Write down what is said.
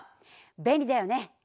便利だよね！